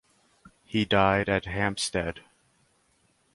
He died at Hampstead.